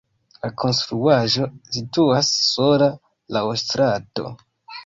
La konstruaĵo situas sola laŭ strato.